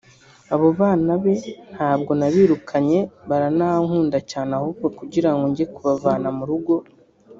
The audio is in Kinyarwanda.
Abo bana be ntabwo nabirukanye baranankunda cyane ahubwo kugira ngo ajye kubavana mu rugo